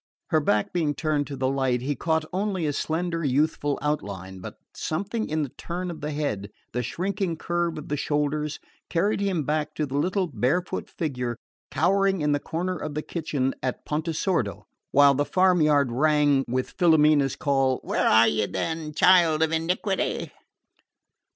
Her back being turned to the light, he caught only a slender youthful outline; but something in the turn of the head, the shrinking curve of the shoulders, carried him back to the little barefoot figure cowering in a corner of the kitchen at Pontesordo, while the farm yard rang with Filomena's call "Where are you then, child of iniquity?"